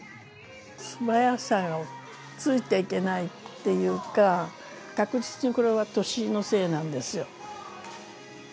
素早さがついていけないっていうか、確実にこれは年のせいなんですよ。